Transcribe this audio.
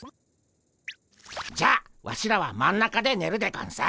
じゃあワシらは真ん中でねるでゴンス。